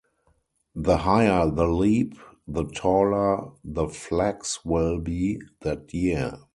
The higher the leap the taller the flax will be that year.